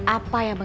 apa ya bang gavin